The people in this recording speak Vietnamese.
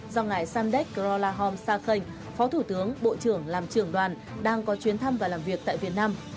do ngài samdek krolahom sakenh phó thủ tướng bộ trưởng làm trưởng đoàn đang có chuyến thăm và làm việc tại việt nam